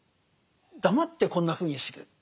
黙ってこんなふうにする。